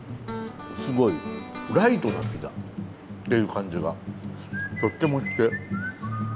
ライトなピザっていう感じがとってもして。